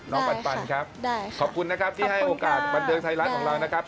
ปันครับขอบคุณนะครับที่ให้โอกาสบันเทิงไทยรัฐของเรานะครับ